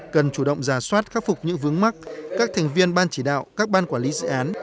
cần chủ động giả soát khắc phục những vướng mắt các thành viên ban chỉ đạo các ban quản lý dự án